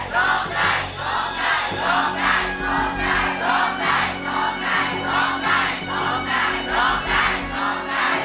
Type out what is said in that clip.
โรงใจโรงใจโรงใจ